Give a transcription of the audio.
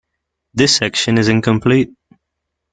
This section is incomplete.